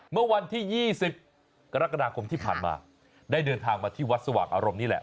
เมื่อวันที่๒๐กรกฎาคมที่ผ่านมาได้เดินทางมาที่วัดสว่างอารมณ์นี่แหละ